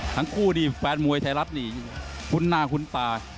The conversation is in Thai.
ทั้งคู่นี่แฟนมวยไทยรัฐนี่คุ้นหน้าคุ้นตา